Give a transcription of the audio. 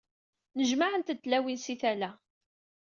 Nnejmaɛent-d tlawin si tala.